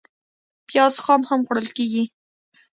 پیاز خام هم خوړل کېږي